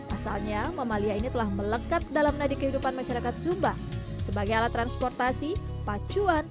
asalnya mamalia ini telah melekat dalam nadi kehidupan masyarakat sumba sebagai alat transportasi pacuan